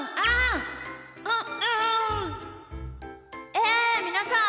えみなさん